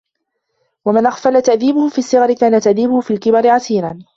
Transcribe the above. وَمَنْ أُغْفِلَ تَأْدِيبُهُ فِي الصِّغَرِ كَانَ تَأْدِيبُهُ فِي الْكِبَرِ عَسِيرًا